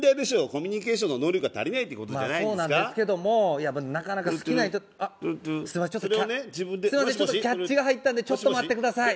コミュニケーションの能力が足りないってことじゃないんですかそうなんですけどもなかなか好きな人あっすいませんちょっとすいませんキャッチが入ったんでちょっと待ってください